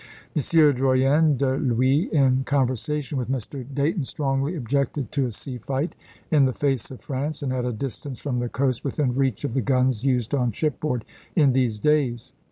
M. Drouyn de l'Huys in con versation with Mr. Dayton strongly objected to a sea fight in the face of France and at a distance from the coast " within reach of the guns used on shipboard in these days."